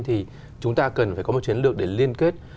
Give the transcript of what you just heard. thì chúng ta cần phải có một chiến lược để liên kết